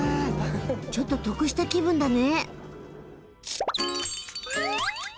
ちょっと得した気分だね。